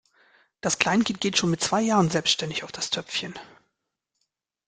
Das Kleinkind geht schon mit zwei Jahren selbstständig auf das Töpfchen.